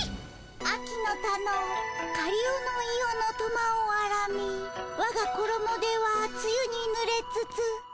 「秋の田のかりおのいおのとまをあらみわがころもではつゆにぬれつつ」。